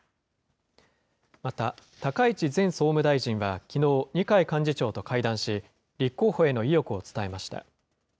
また高市前総務大臣がきのう、二階幹事長と会談し、立候補への意欲を伝えました。